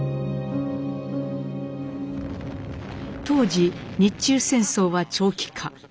当時日中戦争は長期化。